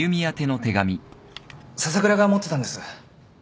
笹倉が持ってたんです。